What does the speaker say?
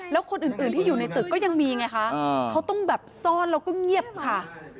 แล้วคนอื่นที่อยู่ในตึกก็ยังมีไงคะเขาต้องแบบซ่อนแล้วก็เงียบค่ะ